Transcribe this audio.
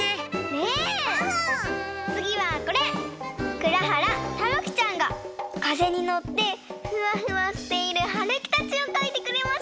くらはらたまきちゃんがかぜにのってフワフワしているはるきたちをかいてくれました！